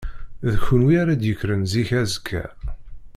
D kunwi ara d-yekkren zik azekka.